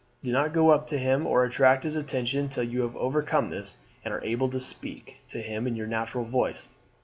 Do not go up to him or attract his attention till you have overcome this and are able to speak to him in your natural voice.